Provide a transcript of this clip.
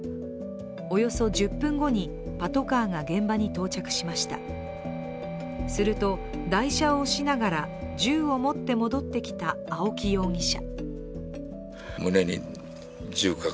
およそ１０分後にパトカーが現場に到着しましたすると、台車を押しながら銃を持って戻ってきた青木容疑者。